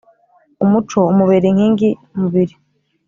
Umuco umubera inkinga mubiri